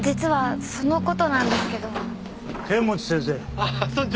あっ村長。